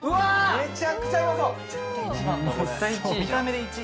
めちゃくちゃうまそう絶対１位